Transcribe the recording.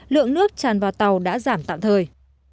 lượng nước tràn vào tàu đã giảm tạm thời